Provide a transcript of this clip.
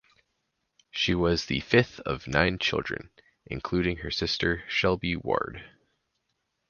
She was the fifth of nine children (including her sister Shelby Ward).